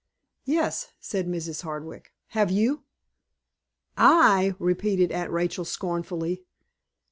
"Yes," said Mrs. Hardwick. "Have you?" "I!" repeated Aunt Rachel, scornfully.